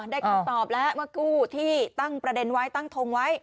คำตอบแล้วเมื่อกู้ที่ตั้งประเด็นไว้ตั้งทงไว้